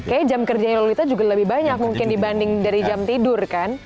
kayaknya jam kerja yang lalu itu juga lebih banyak mungkin dibanding dari jam tidur kan